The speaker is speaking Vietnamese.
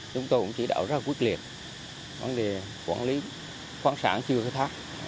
chúng tôi cũng trí đạo rất quyết liệt vấn đề quản lý hoa sản chưa khai thác